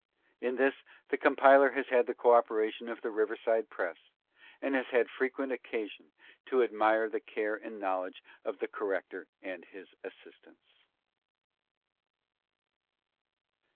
In this, the compiler has had the coöperation of The Riverside Press, and has had frequent occasion to admire the care and knowledge of the corrector and his assistants. B. E. S.